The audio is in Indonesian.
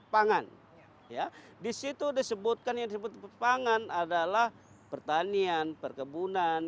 pangan ya disitu disebutkan yang disebut pangan adalah pertanian perkebunan